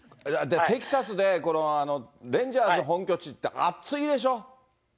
テキサスでレンジャーズ本拠地って、暑いでしょ？